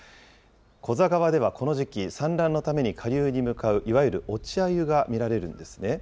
古座川ではこの時期、産卵のために下流に向かういわゆる落ちアユが見られるんですね。